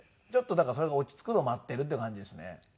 ちょっとだからそれが落ち着くのを待ってるっていう感じですね。